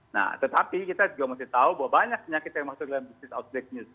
nah tetapi kita juga mesti tahu bahwa banyak penyakit yang masuk dalam bisnis outbreak news